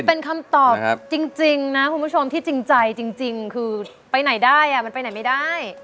เป็นคำตอบจริงนะคุณผู้ชมที่จริงใจจริงคือไปไหนได้มันไปไหนไม่ได้